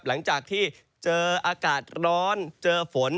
หลังจากที่เจออากาศร้อนเจอฝน